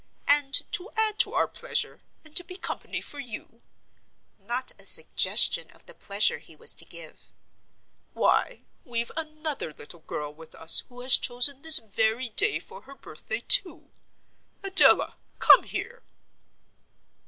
And to add to our pleasure, and to be company for you" (not a suggestion of the pleasure he was to give), "why, we've another little girl with us who has chosen this very day for her birthday, too. Adela, come here."